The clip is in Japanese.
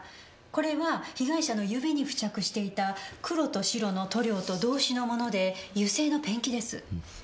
これは被害者の指に付着していた黒と白の塗料と同種のもので油性のペンキです。